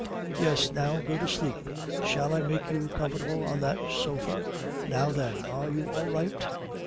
"Yes now go to sleep. Shall I make you comfortable on that sofa? Now then, are you all right?"